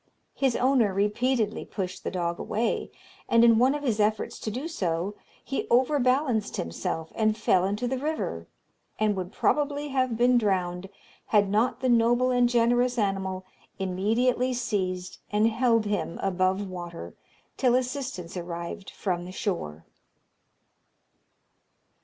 His owner repeatedly pushed the dog away, and in one of his efforts to do so he overbalanced himself and fell into the river, and would probably have been drowned, had not the noble and generous animal immediately seized and held him above water till assistance arrived from the shore.